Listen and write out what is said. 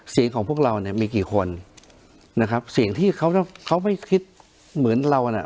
สิ่งของพวกเรามีกี่คนนะครับสิ่งที่เขาไม่คิดเหมือนเรา